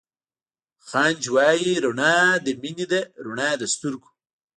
خانج وائي رڼا َد مينې ده رڼا َد سترګو